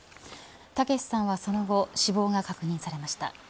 剛さんは、その後死亡が確認されました。